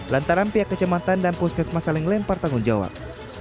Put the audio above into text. lantaran pihak kecamatan dan puskesmas saling lempar tanggung jawab